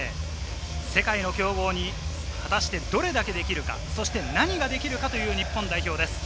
世界の強豪に果たしてどれだけできるか、何ができるかという日本代表です。